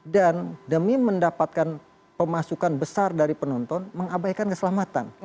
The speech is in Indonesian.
demi mendapatkan pemasukan besar dari penonton mengabaikan keselamatan